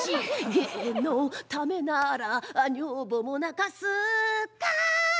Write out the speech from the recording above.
「芸のためなら女房も泣かす」たん。